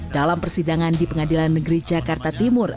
dalam persidangan di pengadilan negeri jakarta timur